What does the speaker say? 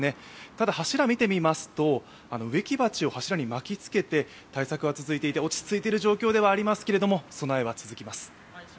ただ、柱見てみますと植木鉢を柱に巻き付けて対策は続いていて、落ち着いている状況ではありますけれども、備えは続きます。